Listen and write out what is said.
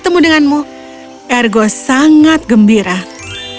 itu persis dengan hidangan yang dia janjikan kepada saudaranya